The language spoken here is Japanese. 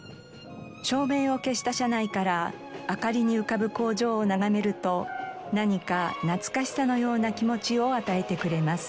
照明を消した車内から明かりに浮かぶ工場を眺めると何か懐かしさのような気持ちを与えてくれます。